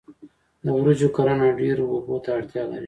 د وریجو کرنه ډیرو اوبو ته اړتیا لري.